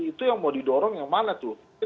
itu yang mau didorong yang mana tuh